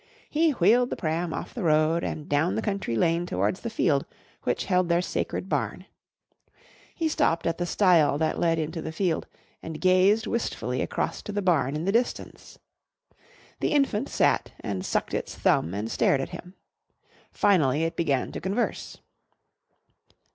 He wheeled the pram off the road and down the country lane towards the field which held their sacred barn. He stopped at the stile that led into the field and gazed wistfully across to the barn in the distance. The infant sat and sucked its thumb and stared at him. Finally it began to converse.